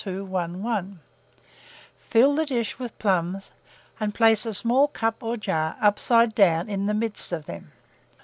1211; fill the dish with plums, and place a small cup or jar, upside down, in the midst of them.